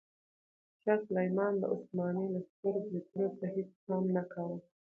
شاه سلیمان د عثماني لښکرو بریدونو ته هیڅ پام نه کاوه.